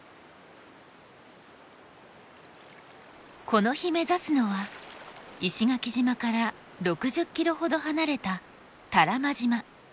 この日目指すのは石垣島から６０ｋｍほど離れた多良間島。